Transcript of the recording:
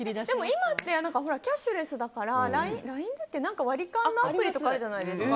今ってキャッシュレスだからＬＩＮＥだっけ割り勘のアプリとかあるじゃないですか。